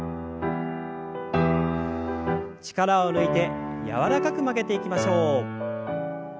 力を抜いて柔らかく曲げていきましょう。